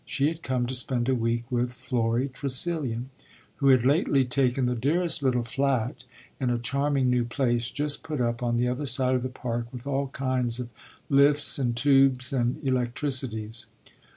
She had come to spend a week with Florry Tressilian, who had lately taken the dearest little flat in a charming new place, just put up, on the other side of the Park, with all kinds of lifts and tubes and electricities.